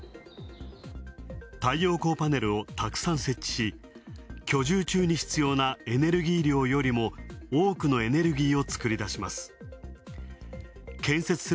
太陽光パネルをたくさん設置し、居住中に必要なエネルギー量よりも多くのエネルギーを作り出します。